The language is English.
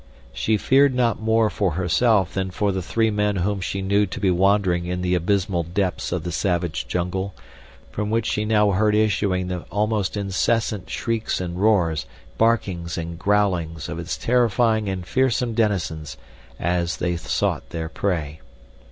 She feared not more for herself than for the three men whom she knew to be wandering in the abysmal depths of the savage jungle, from which she now heard issuing the almost incessant shrieks and roars, barkings and growlings of its terrifying and fearsome denizens as they sought their prey.